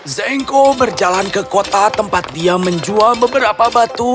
zengko berjalan ke kota tempat dia menjual beberapa batu